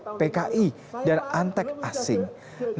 selain itu luhut juga membela jokowi yang difitnah antek pki dan antek asi